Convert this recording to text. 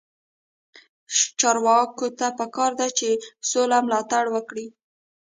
چارواکو ته پکار ده چې، سوله ملاتړ وکړي.